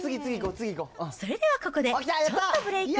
それではここで、ちょっとブレーク。